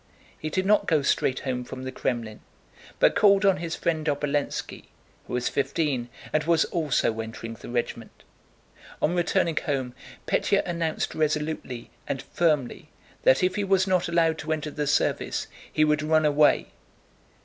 He did not go straight home from the Krémlin, but called on his friend Obolénski, who was fifteen and was also entering the regiment. On returning home Pétya announced resolutely and firmly that if he was not allowed to enter the service he would run away.